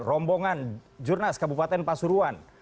rombongan jurnas kabupaten pasuruan